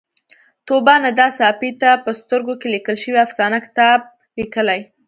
طوبا ندا ساپۍ د په سترګو کې لیکل شوې افسانه کتاب لیکلی